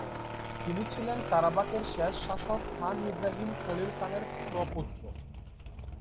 তিনি ছিলেন কারাবাখের শেষ শাসক খান ইব্রাহিম খলিল খানের প্রপৌত্র।